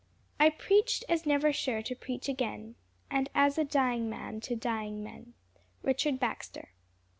"I preached as never sure to preach again, And as a dying man to dying men." _Richard Baxter.